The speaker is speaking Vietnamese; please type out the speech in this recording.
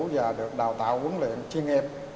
và được đào tạo huấn luyện chuyên nghiệp